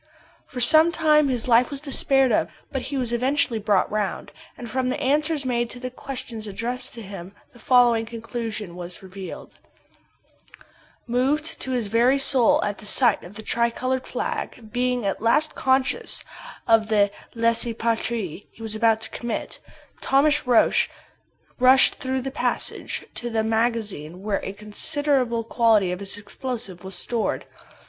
For some time his life was despaired of, but he was eventually brought round, and from the answers made to the questions addressed to him the following conclusion was reached: Moved to his very soul at the sight of the tricolor flag, being at last conscious of the crime of lèse patrie he was about to commit, Thomas Roch rushed through the passage to the magazine where a considerable quantity of his explosive was stored.